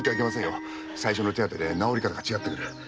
最初の手当てで治り方が違ってくる。